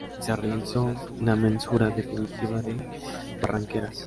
Se realizó la mensura definitiva de Barranqueras.